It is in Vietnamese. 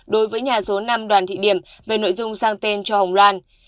đối với nhà số năm đoàn thị điểm về nội dung sang tên cho hồng loan